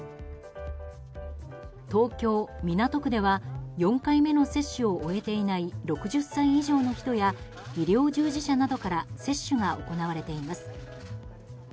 東京・港区では４回目の接種を終えていない６０歳以上の人や医療従事者などから接種が行われています。